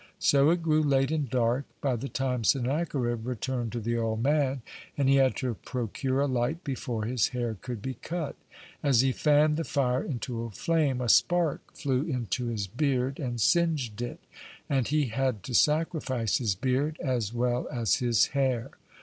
So it grew late and dark by the time Sennacherib returned to the old man, and he had to procure a light before his hair could be cut. As he fanned the fire into a flame, a spark flew into his beard and singed it, and he had to sacrifice his beard as well as his hair.